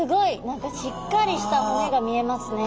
何かしっかりした骨が見えますね。